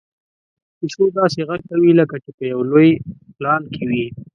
پيشو داسې غږ کوي لکه چې په یو لوی پلان کې وي.